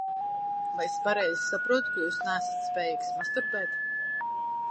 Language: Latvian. Vai es pareizi saprotu, ka jūs neesat spējīgs masturbēt?